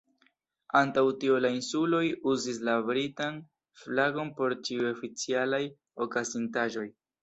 Antaŭ tio, la Insuloj uzis la britan flagon por ĉiuj oficialaj okazintaĵoj.